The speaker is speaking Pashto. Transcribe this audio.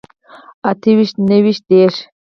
اته ويشت نهه ويشت دېرش